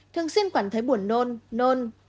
thường xuyên quản thấy buồn nôn nôn